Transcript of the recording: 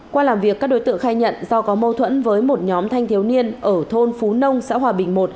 qua làm việc các đối tượng khai nhận do có mâu thuẫn với một nhóm thanh thiếu niên ở thôn phú nông xã hòa bình một